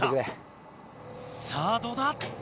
さあどうだ？